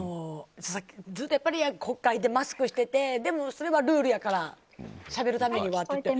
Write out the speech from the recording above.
ずっと、議会でマスクしててでも、それはルールやからしゃべるためにはと。